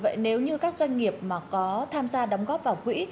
vậy nếu như các doanh nghiệp mà có tham gia đóng góp vào quỹ